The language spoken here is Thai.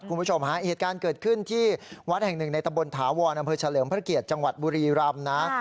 คุณผู้ชมฮะเหตุการณ์เกิดขึ้นที่วัดแห่งหนึ่งในตะบนถาวรอำเภอเฉลิมพระเกียรติจังหวัดบุรีรำนะ